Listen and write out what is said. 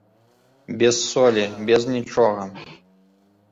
Без солі, без нічога.